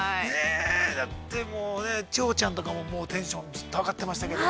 ◆だってもう、千穂ちゃんとかもテンションずっと上がってましたけれども。